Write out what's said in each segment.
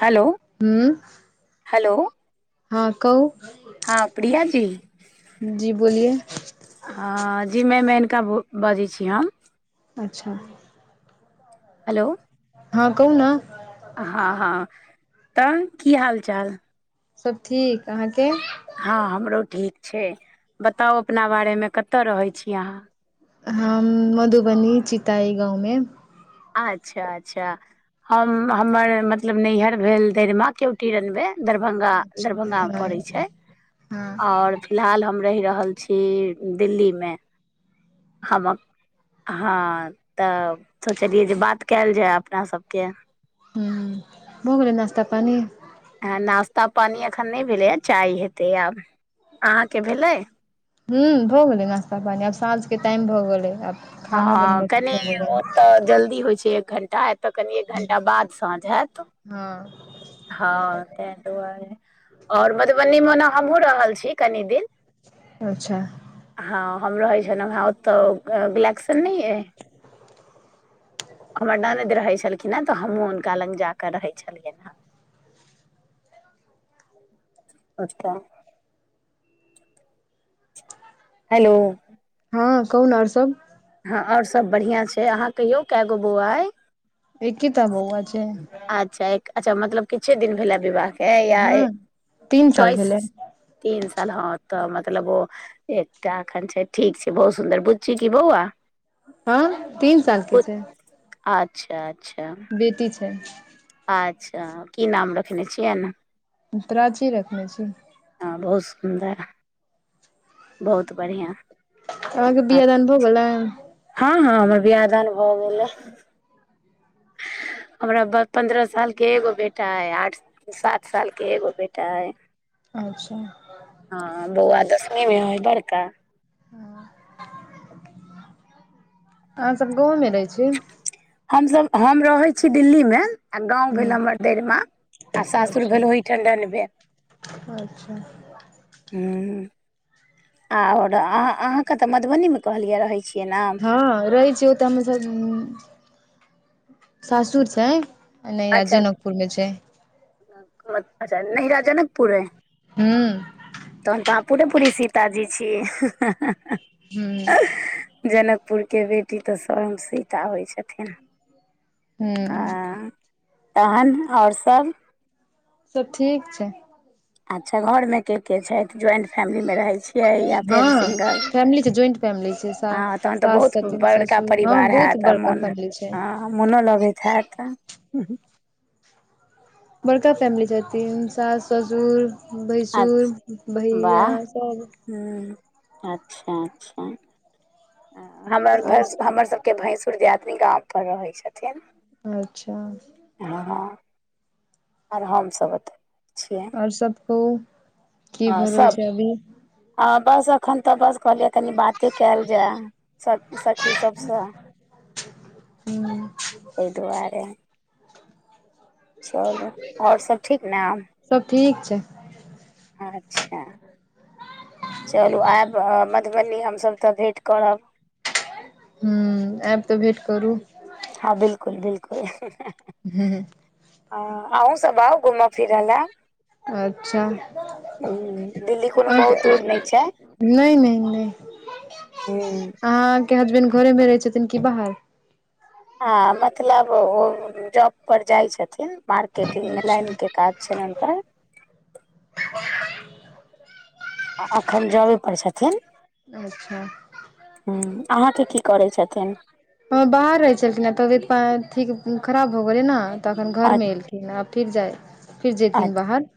Hello ह्म्म hello हँ कहू हँ प्रिया जी जी बोलिए हँ जी मै मेनका बजै छी हम अच्छा हेलो हँ कहू न हँ हँ तहन की हाल चाल सब ठीक अहाँके हँ हमरो ठीक छै बताउ अपना बारेमे कते रहै छी अहाँ हम मधुबनी चिताई गाँवमे अच्छा अच्छा हम हमर मतलब नैहर भेल धरिमा केयोटी रनबे दरभंगा अच्छा दरभंगामे पड़ैत छै हँ आओर फिलहाल हम रहि रहल छी दिल्लीमे हम हँ तऽ सोचलियै जे बात कायैल जाय अपना सबके ह भौगेले नास्ता पानी हाँ नास्ता पानी एखन नहि भेलैए चाय हेतै आब अहाँके भेलै हू भऽ गेलै नास्ता पानि आब साँझके टाइम भऽ गेलै आब खाना हाँ बनबैके कनि भऽ गेलै ओतऽ तऽ जल्दी होइ छै एक घंटा तऽ कनी एक घंटा बाद साँझ हाऽत हँ हँ तैहि दुआरे आओर मधुबनीमे ने हमहुँ रहल छी कनि दिन अच्छा हँ हम रहै छलहुँ हे ओतऽ ग बलेक्सन नहि अइ हमर ननैद रहै छलखिन हँ तऽ हमहुँ हुनका लग जाके रहे छलियनि हे अच्छा हेलो हँ कहु नऽ आओर सब हँ आओर सभ बढ़िआँ छै अहाँ कहियौ कए गो बौआइ एकी तऽ बौआ छैय। अच्छा एक अच्छा मतलब किछे दिन भेला विवाह के या हँ तीन साल भेलै च्वइस तीन साल हँ तऽ मतलब ओ एकटा एखन छै ठीक छै बहुत सुन्दर बुच्ची की बौआ हँ तीन साल के छै अच्छा अच्छा बेटी छै अच्छा की नाम रखने छियैन प्राची रखने छी। हँ बहुत सुन्दर बहुत बढ़िआँ अहाँ के बिआ दान भा गेले हँ हँ हमर वियाह दान भऽ गेलै हमरा ब पन्द्रह सालके एगो बेटा अइ आठ सात सालके एगो बेटा अइ अच्छा हँ बौआ दशमीमे हइ बड़का अहाँ सब गाँवमे रहै छी हमसभ हम रहै छी दिल्लीमे आ गाँव हूँ भेल हमर देर माँ आ सासुर अच्छा भेल ओहि ठंडन वे अच्छा हूँ और अह अहाँके तऽ मधुबनी मे कहलियै रहै छियै नऽ हँ रहै छिये तऽ हमर सबके सासुर छै नहिरा जनकपुर मे छै नेहरा जनकपुर ऐ हू तहन तऽ अहाँ पूरे पूरी सीताजी छी हूँ जनकपुरके बेटी तऽ सब सीता होइ छथिन हू आ तहन आओर सब सब ठीक छै अच्छा घरमे केते छैथ ज्वइनट फैमिलीमे रहै छियै या हँ फेर सिंगल फैमिली छै ज्वाइंट फैमिली छै सा आ तहन तऽ सास बहुत छथिन बड़का ससुर हँ परिवार बहुत हयत बड़का मोन फैमिली छै ह मोनो लगैत हैत बड़का फैमिली छथिन सास ससुर भैसुर भैया सब हू अच्छा अच्छा हमर हमर सबके भैसूर दियादनी गाम पर रहै छथिन अच्छा हँ आर हमसभ अतऽ रहे छियै ओ हँ सब आ बस एखन तऽ बस कहलियै कनि बाते कयल जाय सब सखी सबसँ ताहि हू दुआरे चलू आओर सब ठीक नऽ सब ठीक छै अच्छा चलू आयब मधुबनी हमसभ तऽ भेँट करब हू आयब तऽ भेट करू हँ बिल्कुल बिल्कुल हू ह आहू सब आउ घूमऽ फिरऽ लए अच्छा दिल्ली कोनो अ बहुत दूर नहि नहि नहि नहि छै अहाँके हसबैंड घरे मऽ रहै छथिन कि बाहर आ मतलब ओ जॉब पर जाइ छथिन मार्केटिंग मे अच्छा लाइन के काज छैन हुनकर [unintelligible] आ एखन जॉबे पर छथिन अच्छा हुँ अहाँकेँ की करै छथिन हँ बाहर रहै छलखिन हैं तबियत ठीक खराब भ गेलै न तऽ अखन अ घर मे एलखिन आब फिर जाय फिर अ जेथिन बाहर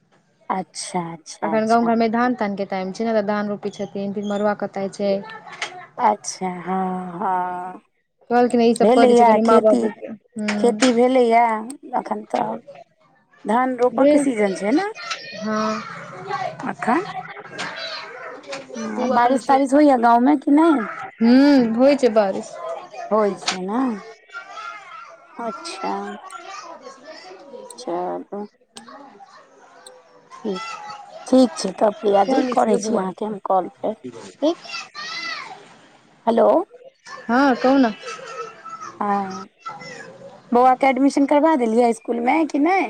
अच्छा अच्छा अखन गाँव अच्छा घरमे धान तान के टाइम छै ने तऽ धान रोपै छथिन फिर मरुआ कटाइ छै अच्छ हँ हँ कहलखिन ई सब करै छै भेलैया कनि माँ खेती बाबू के खेती भेलैया एखन तऽ धान रोपय के सीजन छै न ह [inaudible] अखन [unintelligible] [unintelligible] हँ बारिश तारिश होइया गाँव मे कि नहि हुँ होइ छै बारिश होइ छै ने [inaudible] अच्छा [unintelligible] [unintelligible] [unintelligible] [unintelligible] ठीक छै तब प्रियाजी कहानी करै छियौ छी बौआ अहाँकेँ हम कॉल फेर ठीक हेलो हँ कहुं नऽ हँ [inaudible] बौआकेँ एडमिशन करबा देलियै स्कूल मे कि नहि